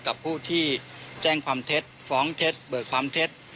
กับผู้ที่แจ้งความเท็จฟ้องเท็จเบิกความเท็จ